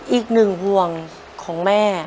อีกหนึ่งห่วงของแม่